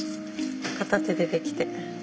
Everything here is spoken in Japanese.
片手でできて。